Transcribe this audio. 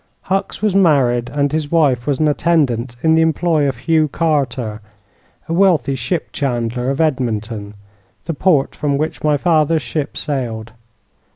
Hucks was married, and his wife was an attendant in the employ of Hugh Carter, a wealthy ship chandler of Edmunton, the port from which my fathers ship sailed.